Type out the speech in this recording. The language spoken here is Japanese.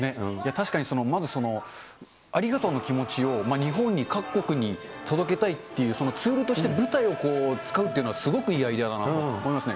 確かにまずありがとうの気持ちを日本に各国に届けたいっていう、そのツールとして舞台を使うっていうのはすごくいいアイデアだなと思いますね。